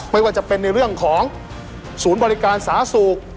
ไม่ว่าจะเป็นในเรื่องของศูนย์บริการสาธารณสุข